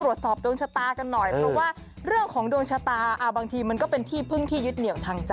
ตรวจสอบดวงชะตากันหน่อยเพราะว่าเรื่องของดวงชะตาบางทีมันก็เป็นที่พึ่งที่ยึดเหนียวทางใจ